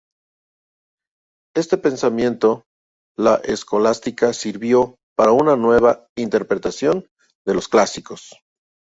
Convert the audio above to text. Este pensamiento, la escolástica, sirvió para una nueva interpretación de los Clásicos.